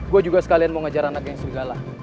gua juga sekalian mau ngejar anak yang serigala